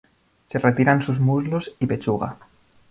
Se retiran sus muslos y pechuga.